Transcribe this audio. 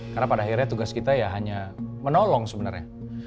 karena pada akhirnya tugas kita ya hanya menolong sebenarnya